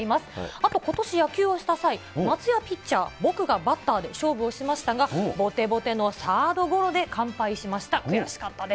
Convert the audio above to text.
あと、ことし野球をした際、松也ピッチャー、僕がバッターで勝負をしましたが、ぼてぼてのサードゴロで完敗しました。